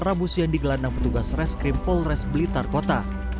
rambus yang digelandang petugas reskrim polres blitar kota